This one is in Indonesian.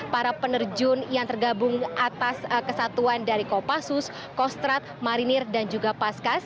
para penerjun yang tergabung atas kesatuan dari kopassus kostrat marinir dan juga paskas